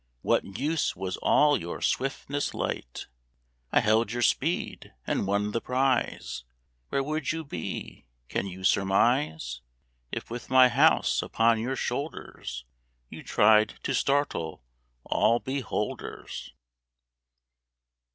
What use was all your swiftness: light I held your speed, and won the prize; Where would you be, can you surmise, If with my house upon your shoulders, You tried to startle all beholders?"